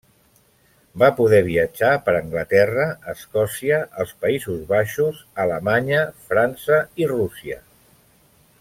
Va poder viatjar per Anglaterra, Escòcia, els Països Baixos, Alemanya, França i Rússia.